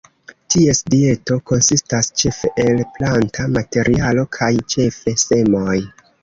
Ties dieto konsistas ĉefe el planta materialo kaj ĉefe semoj.